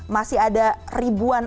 masih ada ribuan